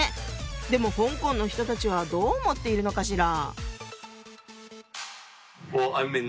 でも香港の人たちはどう思っているのかしら？